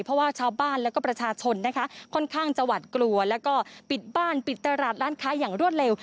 เพราะว่าชาวบ้านแล้วก็ประชาชนนะคะค่อนข้างจะหวัดกลัวแล้วก็ปิดบ้านปิดตลาดร้านค้าอย่างรวดเร็ว